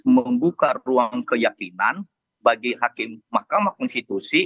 membuka ruang keyakinan bagi hakim mahkamah konstitusi